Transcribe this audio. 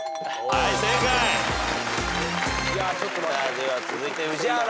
では続いて宇治原。